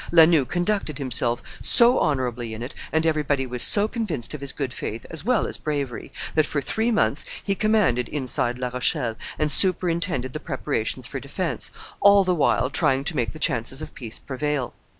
La Noue conducted himself so honorably in it, and everybody was so convinced of his good faith as well as bravery, that for three months he commanded inside La Rochelle, and superintended the preparations for defence, all the while trying to make the chances of peace prevail.